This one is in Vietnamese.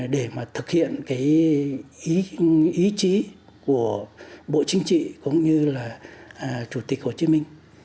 để mà thực hiện cái ý chí của bộ chính trị cũng như là chủ tịch hồ chí minh